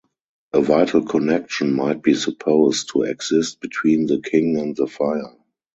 A vital connection might be supposed to exist between the king and the fire.